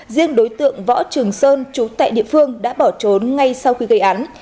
riêng đối tượng võ trường sơn trú tại địa phương đã bỏ trốn ngay sau khi gây án